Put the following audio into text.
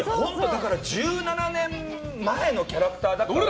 １７年前のキャラクターだから。